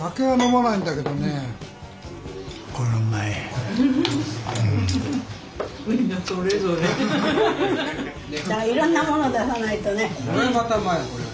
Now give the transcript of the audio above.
だからいろんなものを出さないとね。